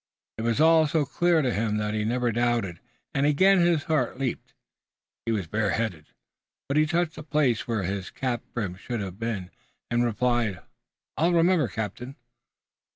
It was all so clear to him that he never doubted and again his heart leaped. He was bareheaded, but he touched the place where his cap brim should have been and replied: "I'll remember, captain."